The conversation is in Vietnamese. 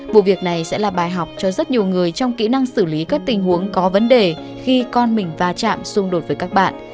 vụ việc này sẽ là bài học cho rất nhiều người trong kỹ năng xử lý các tình huống có vấn đề khi con mình va chạm xung đột với các bạn